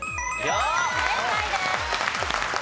正解です。